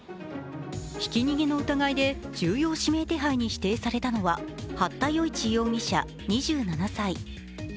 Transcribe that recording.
ひき逃げの疑いで重要指名手配に指定されたのは八田與一容疑者２７歳。